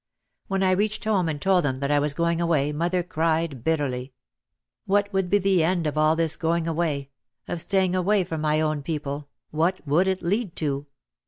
When I reached home and told them that I was going away mother cried bitterly : What would be the end of all this going away, of staying away from my own people, what would it lead to?